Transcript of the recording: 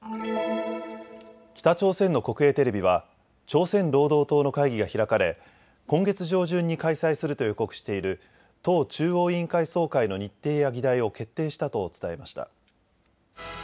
北朝鮮の国営テレビは朝鮮労働党の会議が開かれ今月上旬に開催すると予告している党中央委員会総会の日程や議題を決定したと伝えました。